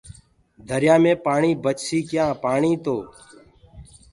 دريآ مي پآڻي بچسي ڪيآنٚ پآڻيٚ تو